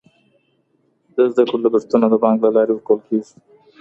د زده کړې لګښتونه د بانک له لارې ورکول کیږي.